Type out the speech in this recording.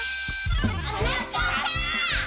たのしかった！